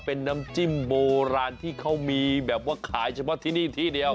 เป็นน้ำจิ้มโบราณที่เขามีแบบว่าขายเฉพาะที่นี่ที่เดียว